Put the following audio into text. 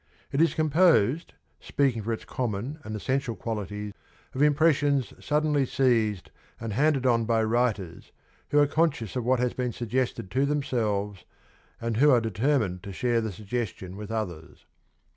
It is composed, speaking for its common and essential quality, of impressions suddenly seized and handed on by writers who are conscious of what has been suggested to themselves and who are determined to share the suggestion with others.